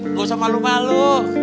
gak usah malu malu